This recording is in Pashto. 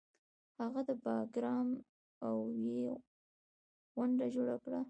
هغه د باګرام اوویی غونډه جوړه کړه